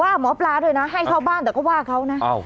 ว่าหมอปลาด้วยนะให้เข้าบ้านแต่ก็ว่าเขานะ